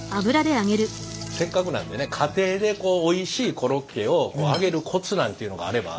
せっかくなんでね家庭でおいしいコロッケを揚げるコツなんていうのがあれば。